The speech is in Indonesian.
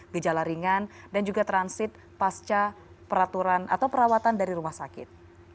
gejala ringan dan juga transit pasca peraturan atau perawatan dari rumah sakit